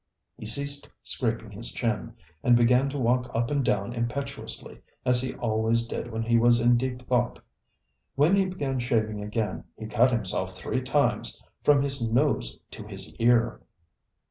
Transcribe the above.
ŌĆØ He ceased scraping his chin, and began to walk up and down impetuously, as he always did when he was in deep thought. When he began shaving again he cut himself three times from his nose to his ear.